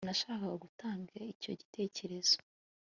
sinashakaga gutanga icyo gitekerezo. (interuro